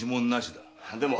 でも！